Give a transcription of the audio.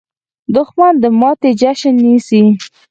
دښمن د ماتې جشن نیسي